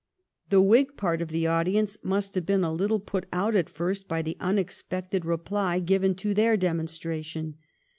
The Whig part of the audience must have been a little put out at first by the unexpected reply given to their demonstration.